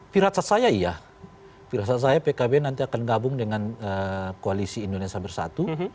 pira pira saya iya pira pira saya pkb nanti akan gabung dengan koalisi indonesia bersatu